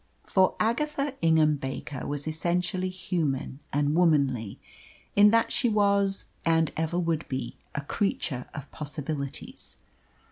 For Agatha Ingham Baker was essentially human and womanly, in that she was, and ever would be, a creature of possibilities.